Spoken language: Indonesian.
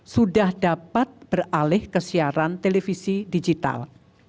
sudah dapat beralih ke siaran televisi digital